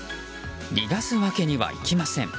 逃がすわけにはいきません。